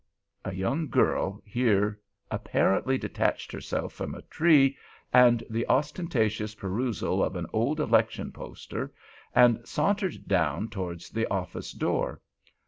A young girl here apparently detached herself from a tree and the ostentatious perusal of an old election poster, and sauntered down towards the office door.